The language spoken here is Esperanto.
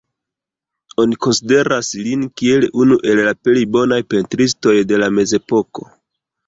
Oni konsideras lin kiel unu el la plej bonaj pentristoj de la mezepoko.